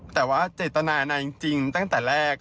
แต่ว่าเจตนานางจริงตั้งแต่แรก